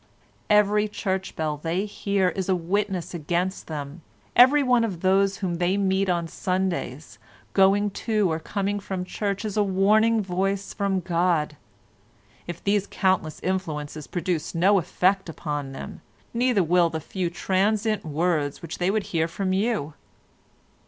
Every church bell they hear is a witness against them, everyone of those whom they meet on Sundays going to or coming from church is a warning voice from God. If these countless influences produce no effect upon them, neither will the few transient words which they would hear from you.